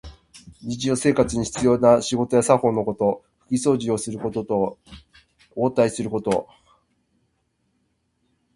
日常生活に必要な仕事や作法のこと。ふきそうじをすることと、応対すること。